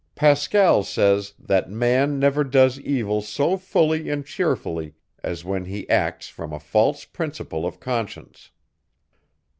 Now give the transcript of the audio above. Pascal says, "that man never does evil so fully and cheerfully, as when he acts from a false principle of conscience."